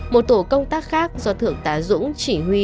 một tổ công tác khác do thượng tá dũng chỉ huy